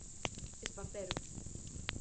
Espartero.